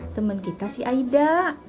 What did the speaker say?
temen kita si aida